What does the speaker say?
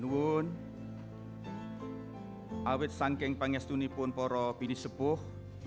namun awet saking pangestuni pun para pini sepuh